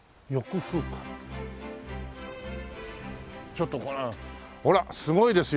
ちょっとこれほらすごいですよ